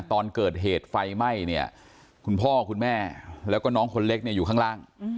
ตอนเกิดเหตุไฟไหม้เนี่ยคุณพ่อคุณแม่แล้วก็น้องคนเล็กเนี่ยอยู่ข้างล่าง